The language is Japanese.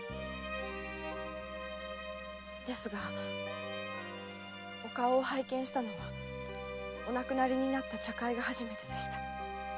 ですがお顔を拝見したのはお亡くなりになった茶会が初めてでした。